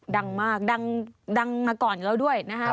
ดังมากดังมาก่อนแล้วด้วยนะครับ